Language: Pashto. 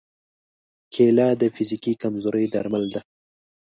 کېله د فزیکي کمزورۍ درمل ده.